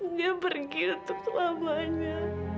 dia pergi untuk selamanya